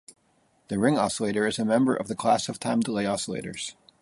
The ring oscillator is a member of the class of time delay oscillators.